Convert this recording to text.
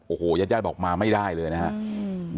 โอ้โหญาติญาติบอกมาไม่ได้เลยนะครับ